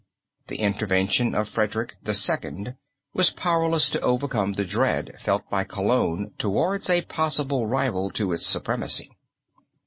The intervention of Frederick II. was powerless to overcome the dread felt by Cologne towards a possible rival to its supremacy.